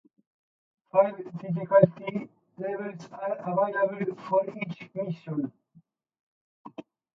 Five difficulty levels are available for each mission.